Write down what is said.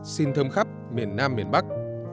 xin thơm khắp miền nam miền bắc